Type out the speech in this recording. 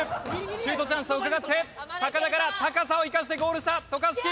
シュートチャンスを伺って田から高さを生かしてゴール下渡嘉敷。